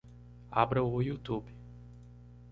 Abra o Youtube.